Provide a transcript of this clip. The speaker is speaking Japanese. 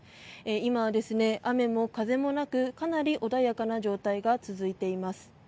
今は雨も風もなくかなり穏やかな状態が続いています。